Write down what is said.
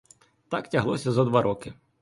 Так тяглося зо два роки.